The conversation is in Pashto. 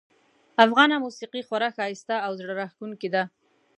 افغانه موسیقي خورا ښایسته او زړه راښکونکې ده